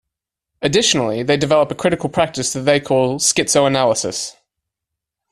Additionally, they develop a critical practice that they call schizoanalysis.